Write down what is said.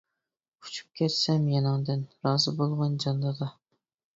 ئۇچۇپ كەتسەم يېنىڭدىن، رازى بولغىن جان دادا.